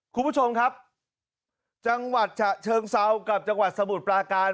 คุณผู้ชมครับจังหวัดฉะเชิงเซากับจังหวัดสมุทรปลาการ